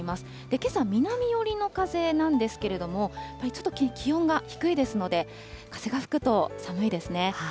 けさ、南寄りの風なんですけれども、ちょっと気温が低いですので、風が吹くと寒いですね。